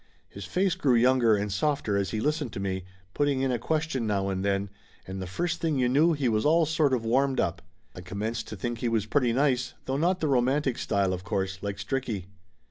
His face grew younger and softer as he listened to me, putting in a question now and then and the first thing you knew he was all sort of warmed up. I commenced to think he was pretty nice, though not the romantic style, of course, like Stricky.